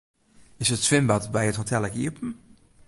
Is it swimbad by it hotel ek iepen?